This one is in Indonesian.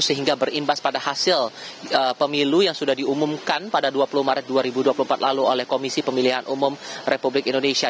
sehingga berimbas pada hasil pemilu yang sudah diumumkan pada dua puluh maret dua ribu dua puluh empat lalu oleh komisi pemilihan umum republik indonesia